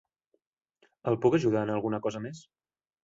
El puc ajudar en alguna cosa més?